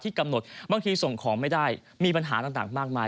แต่ว่าราทสุดนักพัฒนาของในมีปัญหามากมาย